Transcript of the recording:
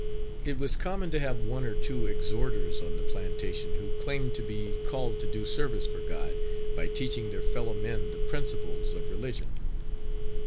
It was common to have one or two exhorters on the plantation who claimed to be called to do service for God, by teaching their fellow men the principles of religion.